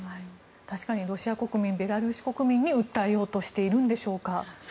確かにロシア国民やベラルーシ国民に訴えようとしているんでしょうか。